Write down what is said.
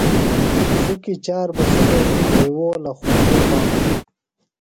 شُکی چار بہ سوۡ تیݨی گھئیوؤلہ خُندیۡ تھانوۡ۔